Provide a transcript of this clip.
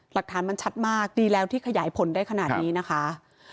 หลักฐานมันชัดมากดีแล้วที่ขยายผลได้ขนาดนี้นะคะ